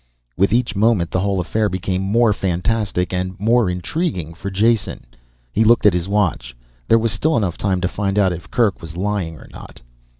With each moment the whole affair became more fantastic and more intriguing for Jason. He looked at his watch. There was still enough time to find out if Kerk was lying or not.